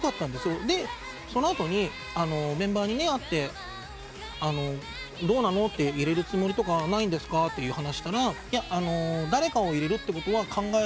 でその後にメンバーに会って「どうなの？入れるつもりとかないんですか？」って話したら「誰かを入れるってことは考えられません」